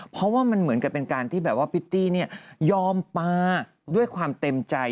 เพราะว่ามันเหมือนกับเป็นการที่แบบว่าพิตตี้ยอมปลาด้วยความเต็มใจ